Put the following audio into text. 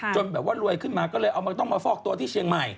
แบบว่ารวยขึ้นมาก็เลยเอามันต้องมาฟอกตัวที่เชียงใหม่